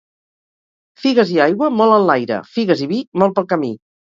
Figues i aigua, molt enlaire; figues i vi, molt pel camí.